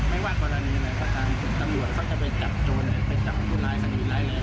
ไม่ว่ากรณีไหนก็ตามตำรวจเขาจะไปจับโจรไปจับคนร้ายคดีร้ายแรง